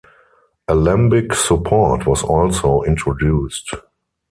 Alembic support was also introduced.